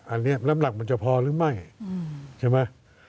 อันนี้น้ำหนักมันจะพอหรือไม่ใช่ไหม